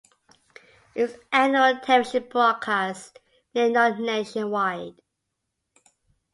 Its annual television broadcast made it known nationwide.